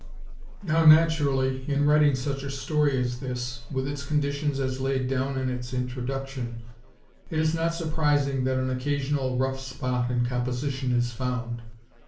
(Now, naturally, in writing such a story as this, with its conditions as laid down in its Introduction, it is not surprising that an occasional "rough spot" in composition is found.